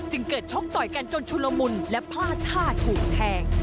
เกิดชกต่อยกันจนชุลมุนและพลาดท่าถูกแทง